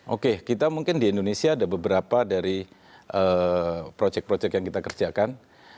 oke kita mungkin di indonesia ada beberapa dari proyek proyek yang kita kerjakan